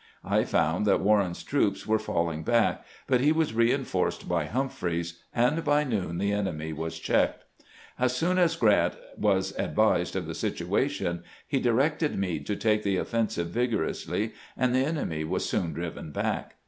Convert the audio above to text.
I found that Warren's troops were falling back, but he was reinforced by Humphreys, and by noon the enemy was checked. As soon as Grant was advised of the situation he directed Meade to take the offensive vigorously, and the enemy was soon driven back.